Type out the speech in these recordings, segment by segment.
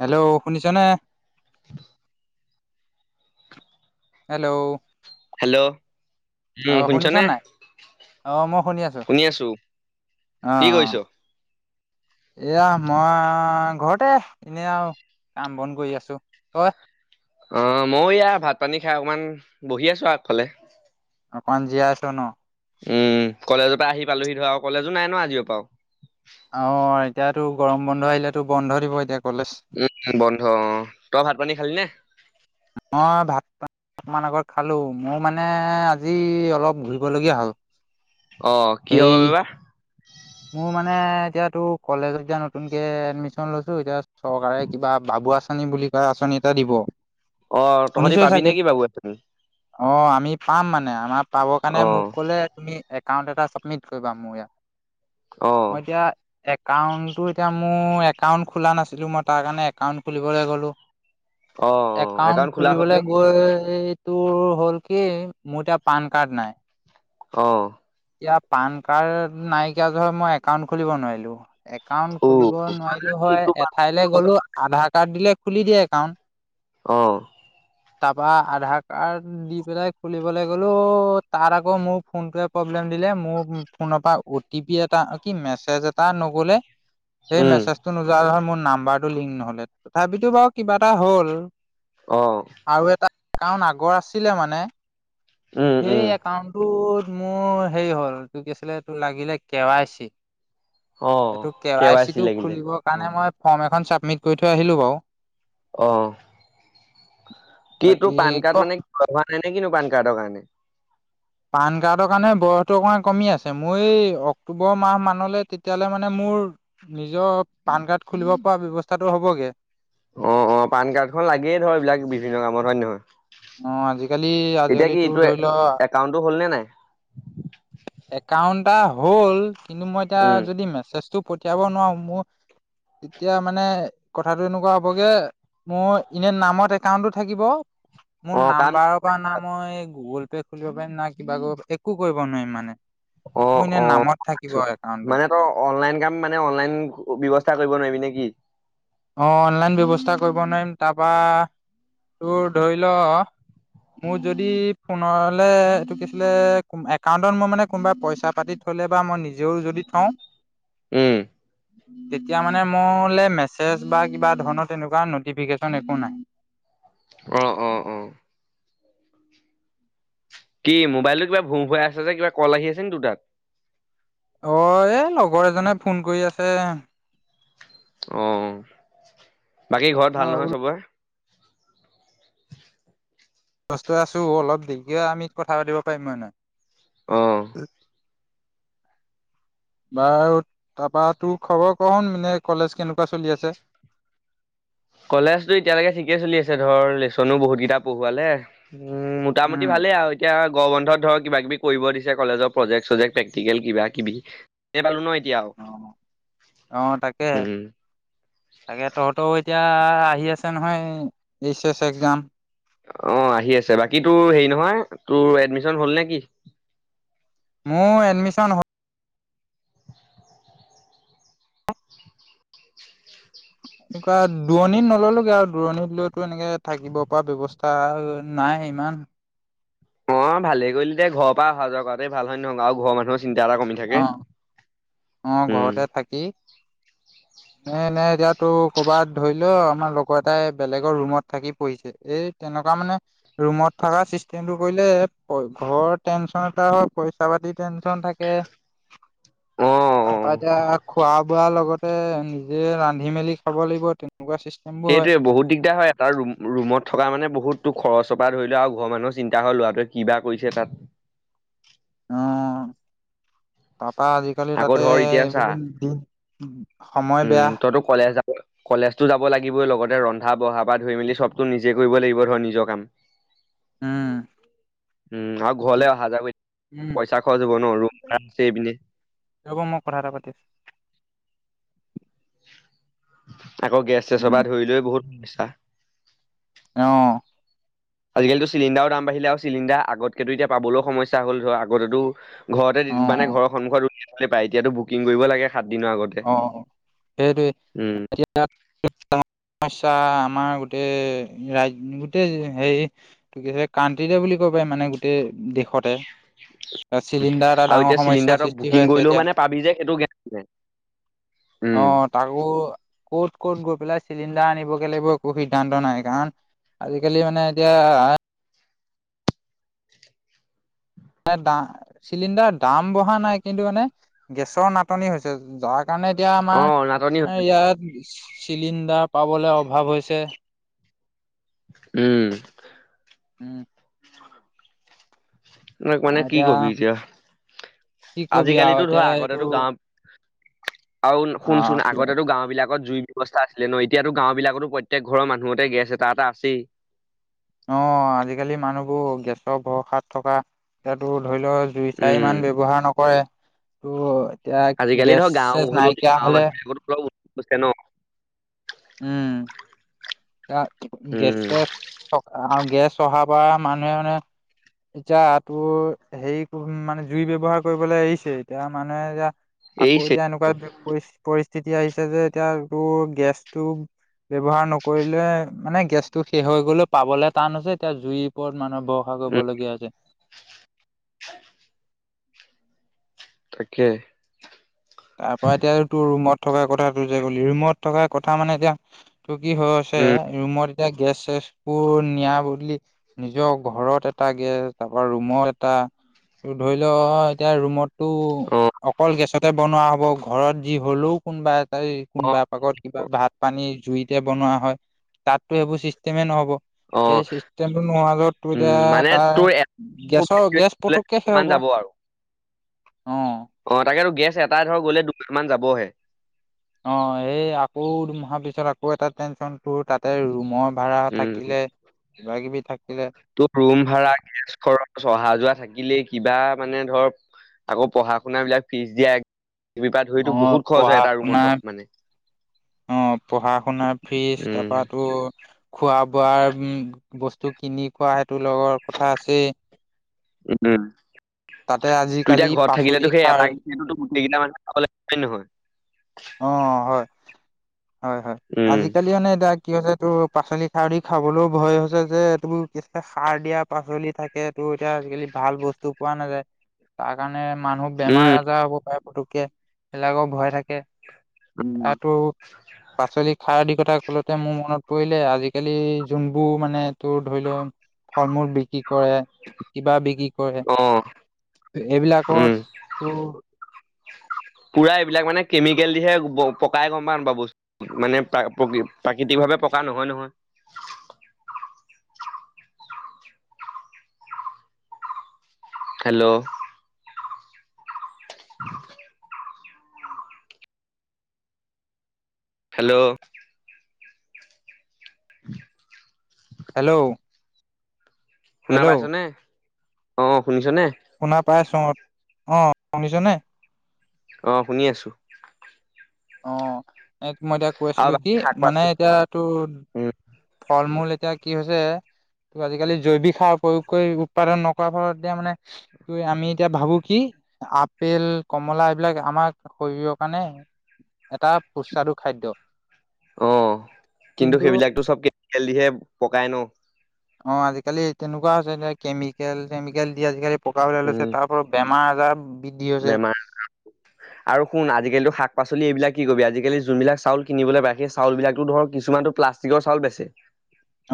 Hello শুনিছনে? [inaudible] Hello. Hello উম অ' শুনিছ শুনিছনে? নাই? শুনি আছো। কি কৰিছ? এইয়া মই ঘৰতে এনে আও কাম-বন কৰি আছো, তই? অঁ মই এইয়া ভাত পানী খায় অকমান বহি আছো আগফালে। অকমান জীৰাইছ ন? উম কলেজৰ পৰা আহি পালোহি ধৰ আও, কলেজো নাই ন আজিৰ পৰা আও। অঁ এতিয়াতো গৰম বন্ধ আহিলেতো বন্ধ দিব এতিয়া কলেজ উ বন্ধ অঁ, তই ভাত পানী খালি নে? মই ভাত পা অকমান আগত খালো, মোৰ মানে আজি অলপ ঘূৰিব লগীয়া হ'ল। অ' এই কিহৰ বাবে বা? মোৰ মানে এতিয়া তো কলেজ এতিয়া নতুনকে এডমিশ্যন লৈছো, এতিয়া চৰকাৰে কিবা বাবু আঁচনি বুলি কয় আঁচনি এটা দিব। অ' তহঁতি শুনিছই পাবি চাগে? নেকি বাবু আচনি? অ' আমি পাম মানে, আমাৰ পাব অ কাৰণে মোক কলে তুমি একাউণ্ট এটা চাবমিট কৰিবা মোৰ ইয়াত। অ মই এতিয়া একাউণ্টটো এতিয়া মোৰ একাউন্ট খোলা নাছিলো, মই তাৰ কাৰণে একাউন্ট খুলিবলৈ গ'লো। [unintelligible] একাউণ্ট খোলা হ'ল খুলিবলৈ নে? গৈ তোৰ হ'ল কি মোৰ এতিয়া পান কাৰ্ড নাই। অঁ। এতিয়া পান কাৰ্ড নাইকিয়া ধৰ মই একাউন্ট খুলিব নোৱাৰিলো। একাউণ্ট উ খুলিব নোৱাৰিলো হয়, এঠাইলে গ'লো আধাৰ কাৰ্ড দিলে খুলি দিয়ে একাউণ্ট। অঁ। তাৰপা আধাৰ কাৰ্ড দি পেলাই খুলিবলৈ গ'লো তাত আকৌ মোৰ ফোনটোৱে প্ৰব্লেম দিলে মোৰ ফোনৰ পৰা উ টিপি এটা কি মেছেজ এটা নগ'লে সেই উম মেছেজ নোযোৱাৰ যহত মোৰ নাম্বাৰটো লিংক নহ'লে, তথাপিতো বাৰু কিবা এটা হ'ল। অ'। আৰু এটা একাউণ্ট আগৰ আছিলে মানে, উম সেই উম একাউন্টটোত মোৰ হেৰি হ'ল তোৰ কি আছিলে তোৰ লাগিলে কে ৱাই চি। অ এইটো কে ৱাই চি চিটো লাগিলে খুলিবৰ অ কাৰণে মই ফৰ্ম এখন চাবমিট কৰি থৈ আহিলোঁ বাৰু। অ'। কি বাকী তোৰ পান ক কাৰ্ড মানে হোৱা নাই নে কিনো পান কাৰ্ডৰ কাৰণে? পান কাৰ্ডৰ কাৰণে বয়সটো অকণমান কমি আছে। মোৰ এই অক্টোবৰ মাহ মানলৈ তে তেতিয়াহলে মানে মোৰ নিজৰ পান কাৰ্ড খুলিব পৰা ব্যয়ৱস্থাটো হ'বগে। অ' অ' পান কাৰ্ডখন লাগেই ধৰ এইবিলাক বিভিন্ন কামত হয় নে নহয়? অ' আজিকালি এতিয়া আজিকালি কি তোৰ এইটো ধৰি ল একাউণ্টটো হ'ল নে নাই একাউন্ট এটা হ'ল, কিন্তু মই এতিয়া উম যদি মেছেজটো পঠিয়াব নোৱাৰো, মোৰ তেতিয়া মানে কথাটো এনেকুৱা হ'বগে, মোৰ এনে নামত একাউণ্টো থাকিব অ মোৰ কাম নাম্বাৰৰ পৰা না মই গুগ'ল পে খুলিব পাৰিম না কিবা কৰিব একো কৰিব নোৱাৰিম মানে। অ মোৰ অ এনেই নামত থাকিব একাউণ্টটো। মানে তই অনলাইন কাম মানে অনলাইন ব্যৱস্থা কৰিব নোৱাৰিবি নে কি? অ' অনলাইন ব্যৱস্থা কৰিব নোৱাৰিম, তাৰপা তোৰ ধৰি ল মোৰ যদি ফোনলে এইটো কি আছিলে, একাউণ্টত মই মানে কোনোবাই পইচা পাতি থলে বা মই নিজেও যদি থওঁ উম। তেতিয়া মানে মোলো মেছেজ বা কিবা ধৰনৰ তেনকুৱা ন'টিফিকেশ্যন একো নাই। অ' অ'। অ কি মোবাইলটো কিবা ভো ভোৱাই আছে যে কিবা কল আহি আছে নেকি তোৰ তাত? অ এ লগৰ এজনে ফোন কৰি আছে। অ' বাকী ঘৰত ভাল মই নহয় বোলো চবৰে? বস্তু আছো অলপ দেৰিকে আমি কথা পাতিব পাৰিম হয় নহয়? অঁ। [unintelligible] বাৰু তাৰপৰা তোৰ খবৰ কচোন মানে কলেজ কেনেকুৱা চলি আছে? কলেজতো এতিয়ালৈকে ঠিকে চলি আছে ধৰ লেচনো বহুত কেইটা পঢ়োৱালে উ মোটামুটি উম ভালে আও এতিয়া গৰম বন্ধত ধৰক কিবা কিবি কৰিব দিছে কলেজৰ প্ৰজেক্ট চজেক্ট প্ৰেক্টিকেল কিবা কিবি। এই পালোঁ ন এতিয়া আৰু অ অ তাকে উম। তাকে তহঁতও এতিয়া আহি আছে নহয় এইচ এছ এক্সাম। অঁ আহি আছে, বাকী তোৰ হেৰি নহয় তোৰ এডমিশন হ'ল নে কি? মোৰ এডমিচন হ এনেকুৱা দূৰণিত নললোগে আও, দূৰণিত লৈ টো এনেকে থাকিব পৰা ব্যৱস্থা তাৰ নাই ইমান। অ' ভালে কৰিলি দে, ঘৰৰ পৰা অহা যোৱা কৰাটোৱে ভাল হয় নহয়, আৰু ঘৰৰ মানুহৰ চিন্ত এটা কমি থাকে। অঁ, অঁ উম ঘৰতে থাকি [unintelligible] এ নাই এতিয়া তোৰ কৰ'বাত ধৰি লও আমাৰ লগৰ এটাই বেলেগৰ ৰুমত থাকি পঢ়িছে। এই তেনেকুৱা মানে ৰুমত থকা চিছ তেমটো কৰিলে ঘৰৰ টেনচন এটা হয়, পইচা পাতি টেনচন থাকে। অ অ তাৰপৰা এতিয়া খোৱা বোৱা লগত তে নিজে ৰান্ধি মেলি খাব লাগিব তেনেকুৱা চিছ সেইটোৱেই বহুত দিগদাৰ হয়। তাৰ ৰুমত থকা মানে বহুত তোৰ খৰচৰ পৰা ধৰি ল আৰু ঘৰৰ মানুহৰ চিন্তা ল'ৰাটোৱে কিবা কৰিছে তাত। অঁ তাপৰা আজিকালি আকৌ তাতে ধৰ এতিয়া চা এইবোৰ দিন সময় বেয়া। তইটো কলেজ যা কলেজতো যাব লাগিবই লগতে ৰন্ধা বঢ়া পৰা ধৰি মেলি চবতো নিজে কৰিব লাগিব ধৰ নিজৰ কাম। [unintelligible] উম। উম' আৰু ঘৰলৈ অহা যোৱা উম, পইচা খৰচ হব ন, ৰুম এই পিনে হব মই কথা এটা পাতিম। আকৌ' গেছ চেছৰ উম, পৰা ধৰি লৈ বহুত সমস্যা। অঁ। আজিকালিতো চিলিণ্ডাৰৰ দাম বাঢ়িলে আৰু চিলিণ্ডাৰ আগতকৈতো এতিয়া পাবলৈও সমস্যা হ'ল ধৰ আগতেতো ঘৰতে মানে অ', ঘৰ সন্মুখত উলিয়াই থলেই পায় এতিয়াতো বুকিং কৰিব লাগে সাত দিনৰ আগত। অ' অ' সেইটোৱে, এতিয়া [unintelligible] সমস্যা আমাৰ গোটেই ৰাজ গোটেই হেই হে কানণ্ট্ৰিতে বুলি ক'ব পাৰি মানে গোটেই দেশ শতে, চিলিণ্ডাৰ এটা আৰু ডাঙৰ এতিয়া চিলিণ্ডাৰ সমস্যাৰ তই সৃষ্টি বুকিং হৈ আছে কৰিলেও এতিয়া। মানে পাবি যে সেইটো গেৰাণ্টি নাই। উম অঁ তাকো ক'ত ক'ত গৈ পেলাই চিলিণ্ডাৰ আনিবগৈ লাগিব একো সিদ্ধান্ত নাই, কাৰণ আজিকালি মানে এতিয়া আহ দা চিলিণ্ডাৰ দাম বঢ়া নাই কিন্তু মানে গেছৰ নাটনি হৈছে, যাক সেইকাৰণে এতিয়া অ আমাৰ নাটনি হৈছে ইয়াত চিলিণ্ডাৰ পাবলে অভাৱ হৈছে। উম। উম। এইবিলাক মানে কি কবি এতিয়া, কি কবি আৰু আজিকালিতো এতিয়া ধৰা এইটো আগতেতো গাঁৱত আৰু শুনচোন অ' কিবা আগতেতো গাঁও বিলাকত জুই ব্যৱস্থা আছিল ন, এতিয়াতো গাঁও বিলাকতো প্ৰত্যেক ঘৰৰ মানুহতেই গেছ এটা এটা আছেই। অ' আজিকালি মানুহবোৰ গেছৰ ভৰসাত থকা ইয়াতো ধৰি লও- দুই চাৰি উম মান ব্যৱহাৰ নকৰে ত' এতিয়া আজিকালি গেছ ধৰ গাঁও চেছ হলেও নাইকিয়া গাঁৱৰ হলে [unintelligible] উম এ উম গেছে থকা গেছ অহাৰ পৰা মানুহে মানে এতিয়া তোৰ হেৰি মানে জুই ব্যৱহাৰ কৰিবলৈ এৰিছে এতিয়া মানুহে এতিয়া আকৌ এৰিছে এতিয়া এনেকুৱা পৰিস্থিতি আহিছে যে এতিয়া তোৰ গেছ টো ব্যৱহাৰ নক নকৰিলে মানে গেছ টো শেষ হৈ গ'লে পাবলে টান আছে এতিয়া জুই ওপৰত মানুহ ভৰষা উম কৰিবলগীয়া হৈছে [unintelligible] তাকে তাৰ পৰা এতিয়া তোৰ ৰুমত থকা কথাটো যে কলি ৰুমত থকা কথা মানে এতিয়া তোৰ কি হ ছে উম ৰুমত এতিয়া গেছ চেচবোৰ নিয়া বুলি নিজৰ ঘৰত এটা গেছ তাৰপৰা ৰুমত এটা ধৰি লওঁ এতিয়া ৰুমত টো অ অকল গেছতে বনোৱা হ'ব ঘৰত যি হলও কোনবা এটাই অ কোনোবা পাকত কিবা ভাত পানী জুইত এতিয়া বনোৱা হয় তাত টো এইবোৰ চিষ্টেমে নহ'ব অ সেই চিষ্টেমটো নোহোৱা য'ত তোৰ উম এতিয়া তাৰ গেছৰ গেছ পটককে শেষ কিমান হ'ব যাব আৰু অ অ তাকেতো গেছ এটা ধৰ গ'লে দুদিন মান যাবহে অ এই আকৌ দুমাহৰ পিছত আকৌ এটা টেনচন টোৰ তাতে ৰুমৰ ভাড়া উম থাকিলে কিবা কিবি থাকিলে তোৰ ৰুম ভাড়া গেছ খৰচ অহা যোৱা থাকিলেই কিবা মানে ধৰক আকৌ পঢ়া শুনা বিলাক ফিজ দিয়া দুইপা অ ধৰিতো বহুত খৰচ পঢ়া হয় এটা শুনা ৰুমত মানে অ পঢ়া শুনাৰ ফিজ উম। তাৰপৰা টোৰ খোৱা বোৱাৰ বস্তু কিনি খোৱা সেইটো লগৰ কথা আছেই তাতে দুই আজিকালি টাই ঘৰত পাচলি থাকিলেতো সেই সাৰ এটা [unintelligible] অ হয় হয় হয় উম, আজিকালি মানে দাক কি হৈছে এইটোৰ পাচলি সাৰ দি খাবলৈও ভয় হৈছে যে এই টোৰ এইবোৰ সাৰ দিয়া পাচলি থাকে তাকে টো এতিয়া আজিকালি ভাল বস্তু পোৱা নাযায় তাৰ কাৰণে মানুহ বেমাৰ উম, আজাৰ হ'ব পাৰে পুটুকে সিবিলাকৰ ভয় থাকে উম, এটো পাচলি খাৰ দি কতা কলতে মোৰ মনত পৰিলে আজিকালি যোনবোৰ মানে তোৰ ধৰি লও ফল মূল বিক্ৰী কৰে কিবা বিক্ৰী কৰে অ এইবিলাকত উম তোৰ পুৰা এইবিলাক মানে কেমিকেল দিহে পকাই গম পাওঁ নাপাও বস্তু মানে প্ৰ প্ৰাকৃতিকভাৱে পকা নহয় নহয় হেল্ল' [unintelligible] হেল্ল' [unintelligible] হেল্ল'? শুনা হেল্ল' পাইছ নে? অ, শুনিছ নে? শুনা পাইছোঁ অ, শুনিছনে? অ, শুনি আছো। অ, এত মই এতিয়া কৈ আৰু আছিলো কি বাকী শাক মানে পাচলি এতিয়া তোৰ উম, ফল-মূল এতিয়া কি হৈছে তোৰ আজিকালি জৈৱিক সাৰ প্ৰয়োগ কৰি উৎপাদন নকৰাৰ ফলত এতিয়া মানে তোৰ আমি এতিয়া ভাবো কি আপেল, কমলা এইবিলাক আমাক শৰীৰৰ কাণে এটা সুস্বাদু খাদ্য। অ, কিন্তু সেইবিলাকতো চব কেমিকেল দিহে পকাই ন? অ, আজিকালি তেনকুৱা আছে যে কেমিকেল চেমিকেল দি আজিকালি পকা ওলাই লৈছে উম, তাৰ [unintelligible] বেমাৰ আজাৰ বৃদ্ধি হৈছে বেমাৰ [unintelligible] আৰু শুন আজিকালিতো শাক-পাচলি এইবিলাক কি কবি আজিকালি যোনবিলাক চাউল কিনিবলৈ পায় সেই চাউল বিলাকটো ধৰ কিছুমানতো প্লাচ টিকৰ চাউল বেচে।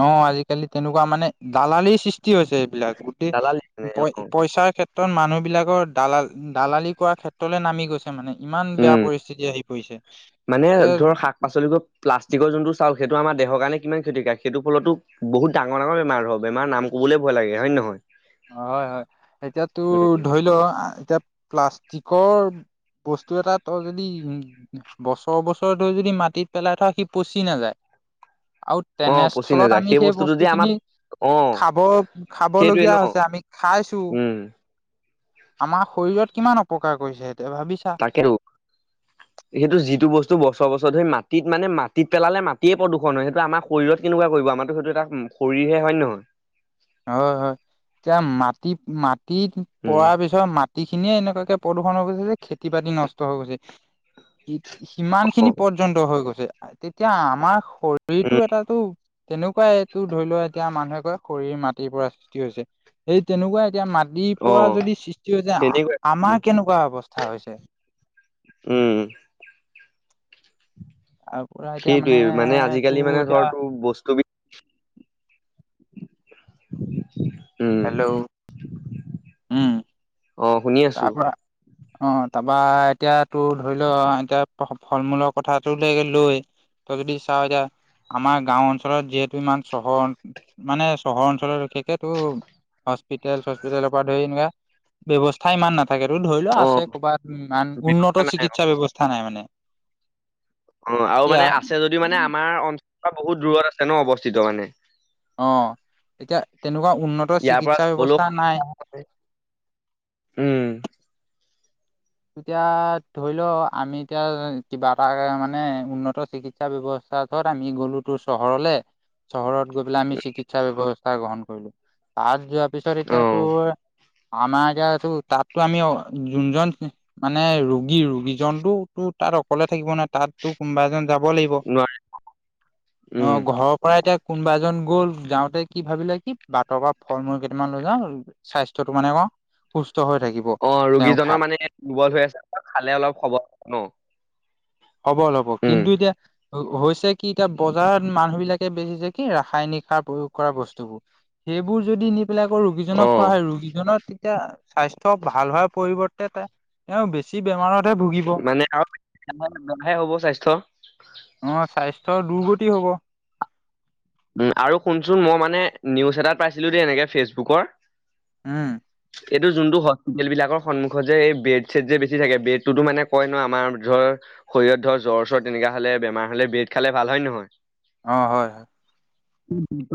অ, আজিকালি তেনেকুৱা মানে দালালিৰ সৃষ্টি হৈছে এইবিলাক গোটেই দালালি মানে অ পই-পইচাৰ ক্ষেত্ৰত মানুহ বিলাকৰ দালাল-দালালি কৰাৰ ক্ষেত্ৰলে নামি গৈছ এ মানে, ইমান বেয়া উম পৰিস্থিতি আহি পৰিছে। মানে এয়া ধৰ শাক পাচলিবোৰ প্লাষ্টিকৰ যোনটো চাউল সেইটো আমাৰ দেহৰ কাৰণে কিমান ক্ষতিকাৰক সেইটো ফলতো বহুত ডাঙৰ ডাঙৰ বেমাৰ [unintelligible] বেমাৰ নাম ক'বলে ভয় লাগে হয় নে নহয়? অ হয়, হয়, এতিয়া তোৰ উম, ধৰি ল আ এতিয়া প্লাষ্টিকৰ বস্তু এটাত তই যদি উম বছৰ বছৰ ধৰি যদি মাটিত পেলাই থ সি পচি নাযায়। আউ অ পচি তেনেস্থলত নাযায় আমি সেই বস্তুটো বস্তু যে খিনি আমাক অ খাব সেইটোৱে ন খাবলগীয়া হৈছে আমি খা খাইছো। উম। আমাৰ শৰীৰত কিমান অপকাৰ কৰিছে সেইটোৱে ভাবি চা। তাকেতো। সেইটো যিটো বস্তু বছৰ বছৰ ধৰি মাটিত মানে মাটিত পেলালে মাটিয়ে প্ৰদূষণ হয় সেইটো আমা শৰীৰত কেনেকুৱা কৰিব আমাৰটো সেইটো এটা উম শৰীৰহে হয়ন নহয়? হয়, হয়, তিয়া মাটিপ মাটিত উম পৰাৰ পিছ ধৰা মাটি খিনিয়ে এনেকুৱাকে প্ৰদূষণ হৈ গৈছে যে খেতি-বাতি নষ্ট হৈ গৈছে। ই সিমান অ খিনি পৰ্যন্ত হৈ গৈছে। আ তেতিয়া আমাৰ উম শৰীৰটো এটাটো তেনেকুৱাই তোৰ ধৰি ল এতিয়া মানুহে কয় শৰীৰ মাত টিৰ পৰা সৃষ্টি হৈছে, সেই তেনেকুৱা এতিয়া মা দিৰ অ পৰা যদি সৃষ্টি হৈছে আ তেনেকুৱাই কথাটো। আমাৰ কেনেকুৱা অৱস্থা হৈছে? উম। আৰু পুৰা এতিয়া সেইটোৱে মানে আজিকালি তোৰ মানে ধৰ এতিয়া তোৰ বস্তু বি [unintelligible] হেল্ল'? উম অ, শুনি আ তাৰ পৰা অ, তাপা এতিয়া তোৰ ধৰি ল আ এতিয়া [unintelligible] ফল-মূলৰ কথাটোলেকে লৈ তই যদি চাওঁ এতিয়া, আমাৰ গাওঁ অঞ্চলত যিহেতু ইমান চহৰ মানে চহৰ অঞ্চলত বিশেষে তোৰ হস্পিতেল চস্পিতেলৰ পৰা ধৰি এনেকুৱা ব্যৱ স্থা ইমান নাথাকে তোৰ ধৰি লোৱা অ আছে ক'ৰবাত ইমান ব্যৱস্থা উন্নত নাই অ চিকিৎসা ব্যৱস্থা নাই মানে। অঁ আৰু এতিয়া মানে আছে যদিও মানে আমাৰ অঞ্চলৰ বহুত দূৰত আছে ন অৱস্থিত মানে। অঁ, এতিয়া তেনেকুৱা উন্নত ইয়াৰ পৰা চিকিৎসা যাবলৈও ব্যৱস্থা নাই। উম। এতিয়া ধৰি ল আমি এতিয়া কিবা এটা মানে উন্নত চিকি ৎসা ব্যৱস্থাত য'ত আমি গ'লো, ত চহৰলে চহৰত গৈ পেলাই আমি চিকিৎসা ব্যৱস্থা গ্ৰহণ কৰিলো। তাত যোৱাৰ পিছত অ এতিয়া তোৰ আমাৰ এতিয়া এইটো তাতো আমি অঁ যোনজন মানে ৰোগী ৰোগীজনটো তোৰ তাত অকলে থাকিব নোৱাৰে তাত। তো কোনোবা এজন যাব লাগিব, নোৱাৰি উম অঁ ঘৰৰ পৰা এতিয়া কোনোবা এজন গ'ল, যাওঁতে কি ভাবিলে কি বাটৰ পৰা ফল মূল কেইটামান লৈ যাওঁ। স্বাস্থ্যটো মানে ক সুস্থ হৈ থাকি অঁ, ৰোগীজনৰ মানে এনে দুৰ্বল হৈ আছে খালে অলপ হবল ন। হবল হ'ব, উম কিন্তু এতিয়া হৈ হৈছে কি এতিয়া বজাৰত মানুহ বিলাকে বেচিছে কি ৰাসায়নিক সাৰ প্ৰয়োগ কৰা বস্তুবোৰ। সেইবোৰ যদি নি পেলাই অ ৰোগীজনক খোৱা হয়, ৰোগীজননৰ তেতিয়া স্বাস্থ্য ভাল হোৱাৰ পৰিৱৰ্তে তে তেওঁ বেছি বেমাৰতহে ভু [inaudible] অঁ স্বাস্থ্যৰ দুৰ্গতি হ'ব। উম আৰু শুনচোন মই মানে নিউজ এটাত পাইছিলো দেই এনেকে ফেচবুকৰ উম। এইটো যোনটো হস্পিটেল বিলাকৰ সন্মুখত যে এই ব্ৰেড চেড যে বেছি থাকে ব্ৰেড টো মানে কয় ন আমাৰ যৰ শৰীৰত ধৰ জ্বৰ চৰ তেনেকা হলে বেমাৰ হলে ব্ৰেড খালে ভাল হয় নে নহয়? অঁ হয়। [inaudible]